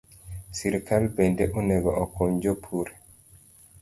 Sirkal bende onego okony jopur